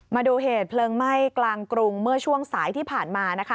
มาดูเหตุเพลิงไหม้กลางกรุงเมื่อช่วงสายที่ผ่านมานะคะ